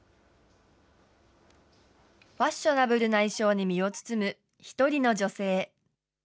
ファッショナブルな衣装に身を包む１人の女性。